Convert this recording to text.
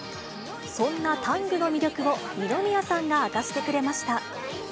そんなタングの魅力を二宮さんが明かしてくれました。